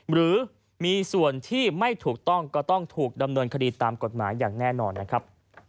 หรือมีส่วนที่ไม่ถูกต้องก็ต้องถูกดำเนินคดีตามกฎหมายอย่างแน่นอนนะครับ